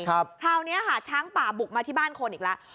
คราวนี้ค่ะช้างป่าบุกมาที่บ้านคนอีกแล้ว